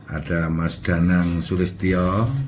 ada mas danang sulistio